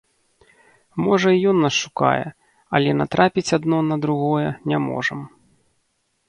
Можа і ён нас шукае, але натрапіць адно на другое не можам.